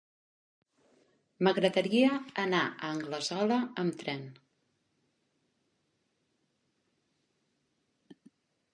M'agradaria anar a Anglesola amb tren.